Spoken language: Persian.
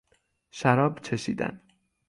شراب چشیدن